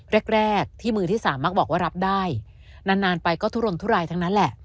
แรกแรกที่มือที่สามมักบอกว่ารับได้นานนานไปก็ทุรนทุรายทั้งนั้นแหละ